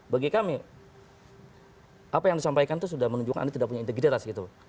bagi kami apa yang disampaikan itu sudah menunjukkan anda tidak punya integritas gitu